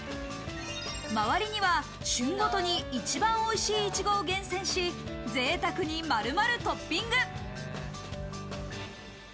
周りには旬ごとに一番おいしいイチゴを厳選し、ぜいたく丸々トッピング。